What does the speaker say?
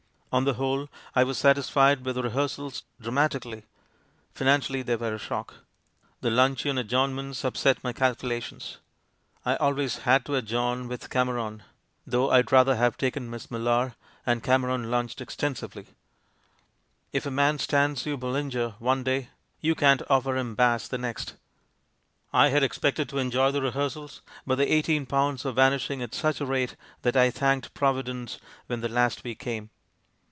On the whole, I was sat isfied with the rehearsals — dramatically; finan cially they were a shock. The luncheon adjourn FRANKENSTEIN II 6^ merits upset mj^ calculations. I always had to ad journ with Cameron — though I'd rather have taken Miss Millar — and Cameron lunched ex tensively. If a man stands you Bollinger one day, you can't offer him Bass the next. I had expected to enjoy the rehearsals, but the eighteen pounds were vanishing at such a rate that I thanked Providence when the last week came.